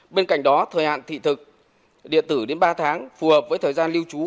bên cạnh đó thời hạn thị thực điện tử đến ba tháng phù hợp với thời gian lưu trú